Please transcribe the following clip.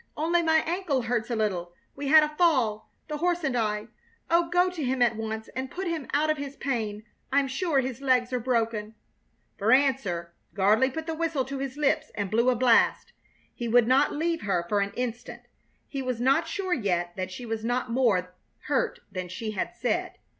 Only my ankle hurts a little. We had a fall, the horse and I. Oh, go to him at once and put him out of his pain. I'm sure his legs are broken." For answer Gardley put the whistle to his lips and blew a blast. He would not leave her for an instant. He was not sure yet that she was not more hurt than she had said.